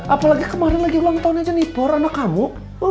apalagi kemarin lagi ulang tahun aja nipor anak kamu